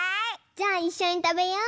じゃあいっしょにたべよう！